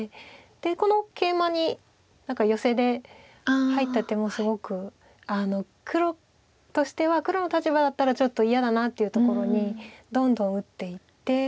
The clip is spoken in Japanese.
でこのケイマに何かヨセで入った手もすごく黒としては黒の立場だったらちょっと嫌だなっていうところにどんどん打っていって追い上げて。